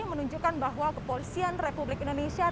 menunjukkan bahwa kepolisian republik indonesia